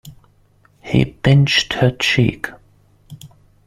He pinched her cheek.